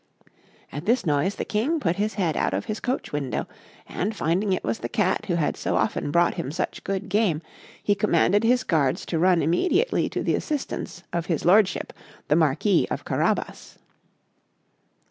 At this noise the King put his head out of his coach window, and finding it was the Cat who had so often brought him such good game, he commanded his guards to run immediately to the assistance of his lordship the Marquis of Carabas.